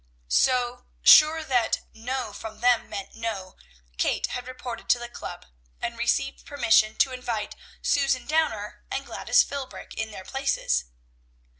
So, sure that no from them meant no, Kate had reported to the club, and received permission to invite Susan Downer and Gladys Philbrick in their places.